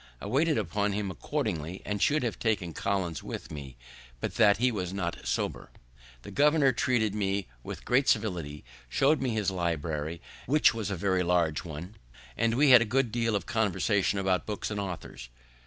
I waited upon him accordingly, and should have taken Collins with me but that he was not sober. The gov'r. treated me with great civility, show'd me his library, which was a very large one, and we had a good deal of conversation about books and authors.